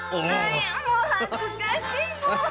もう恥ずかしい！